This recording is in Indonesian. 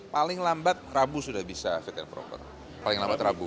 paling lambat rabu sudah bisa fit and proper paling lambat rabu